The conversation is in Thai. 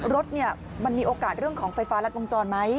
รถมันมีโอกาสเรื่องของไฟฟ้ารัดวงจรไหม